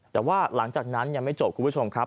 แต่ว่าหลังจากนั้นยังไม่จบคุณผู้ชมครับ